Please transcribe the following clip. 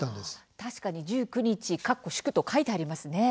確かに１９日祝と書いてありますね。